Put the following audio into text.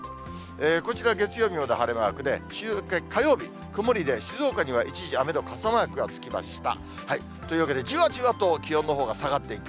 こちら、月曜日まで晴れマークで、週明け火曜日、曇りで、静岡には一時雨の傘マークがつきました。